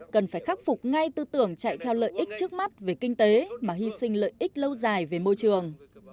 cần phải khắc phục ngay tư tưởng chạy theo lợi ích trước mắt về kinh tế mà hy sinh lợi ích lâu dài về môi trường